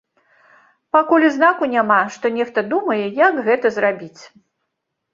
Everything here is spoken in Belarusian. Пакуль і знаку няма, што нехта думае, як гэта зрабіць.